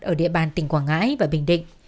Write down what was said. ở địa bàn tỉnh quảng ngãi và bình định